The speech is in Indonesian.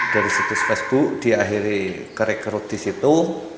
dari situs facebook di akhirnya kerekrut di situ